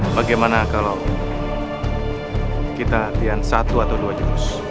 bagaimana kalau kita latihan satu atau dua jurus